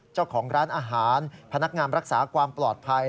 เจ้าของร้านอาหารพนักงามรักษาความปลอดภัย